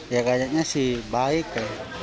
ya kayaknya sih baik